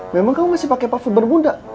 memang kamu masih pakai parfum bermuda